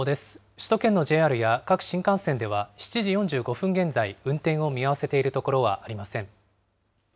首都圏のＪＲや各新幹線では、７時４５分現在、運転を見合わせているところはありません。